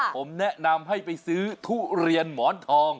ผมแนะนำให้ไปซื้อทุเรียนหมอนทอง